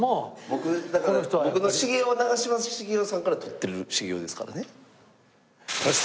僕だから僕の茂雄は長嶋茂雄さんからとってる茂雄ですからね。